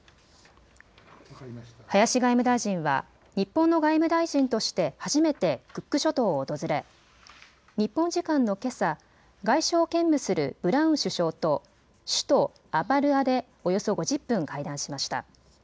林外務大臣は日本の外務大臣として初めてクック諸島を訪れ日本時間のけさ、外相を兼務するブラウン首相と首都アバルアでおよそ５０分会談しました。